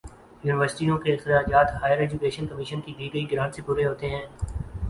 یونیورسٹیوں کے اخراجات ہائیر ایجوکیشن کمیشن کی دی گئی گرانٹ سے پورے ہوتے ہیں۔